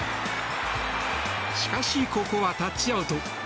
しかし、ここはタッチアウト。